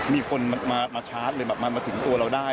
มีคนมาชาร์จเลยแบบมาถึงตัวเราได้